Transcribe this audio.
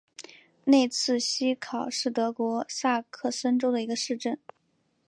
内茨希考是德国萨克森州的一个市镇。